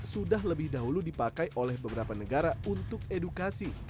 sudah lebih dahulu dipakai oleh beberapa negara untuk edukasi